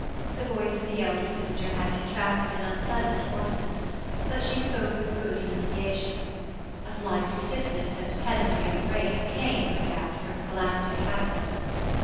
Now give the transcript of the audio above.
The voice of the elder sister had contracted an unpleasant hoarseness, but she spoke with good enunciation; a slight stiffness and pedantry of phrase came, no doubt, of her scholastic habits.